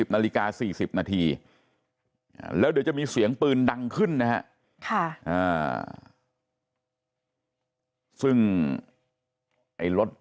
นาฬิกา๔๐นาทีแล้วเดี๋ยวจะมีเสียงปืนดังขึ้นนะฮะซึ่งไอ้รถ